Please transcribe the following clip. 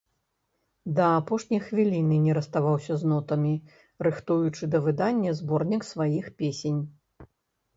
Да апошняй хвіліны не расставаўся з нотамі, рыхтуючы да выдання зборнік сваіх песень.